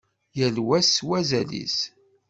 Yal wa s wazal-is.